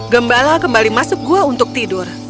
gembala kembali masuk gua untuk tidur